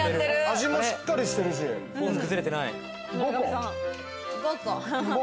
味もしっかりしてるし５個！